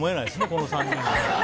この３人。